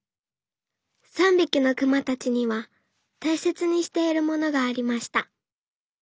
３びきのくまたちにはたいせつにしているものがありました。